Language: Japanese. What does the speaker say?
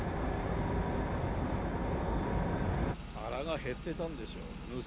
腹が減ってたんでしょう。